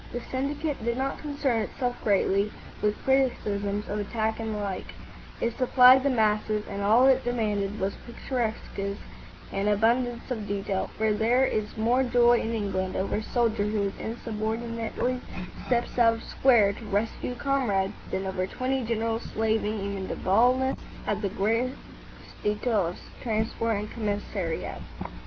The syndicate did not concern itself greatly with criticisms of attack and the like. It supplied the masses, and all it demanded was picturesqueness and abundance of detail; for there is more joy in England over a soldier who insubordinately steps out of square to rescue a comrade than over twenty generals slaving even to baldness at the gross details of transport and commissariat.